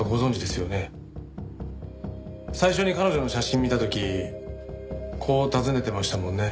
最初に彼女の写真見た時こう尋ねてましたもんね。